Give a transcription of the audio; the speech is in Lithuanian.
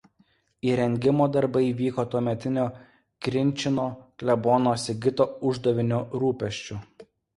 Įrengimo darbai vyko tuometinio Krinčino klebono Sigito Uždavinio rūpesčiu.